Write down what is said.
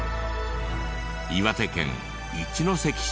岩手県一関市。